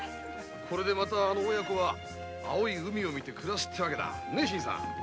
これでまたあの親子は青い海を見て暮らすわけだ。